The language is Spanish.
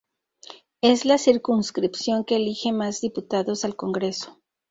Es la circunscripción que elige más diputados al Congreso.